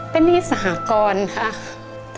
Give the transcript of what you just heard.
เป็นนี่สหกรค่ะ